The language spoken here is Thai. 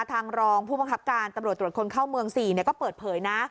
รองผู้บังคับการตำรวจตรวจคนเข้าเมือง๔ก็เปิดเผยนะ